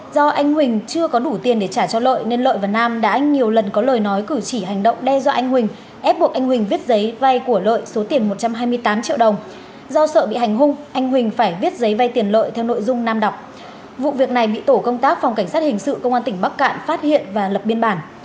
do anh huỳnh chưa có đủ tiền để trả cho lợi nên lợi và nam đã nhiều lần có lời nói cử chỉ hành động đe dọa anh huỳnh ép buộc anh huỳnh viết giấy vay của lợi số tiền một trăm hai mươi tám triệu đồng do sợ bị hành hung anh huỳnh phải viết giấy vay tiền lợi theo nội dung nam đọc vụ việc này bị tổ công tác phòng cảnh sát hình sự công an tỉnh bắc cạn phát hiện và lập biên bản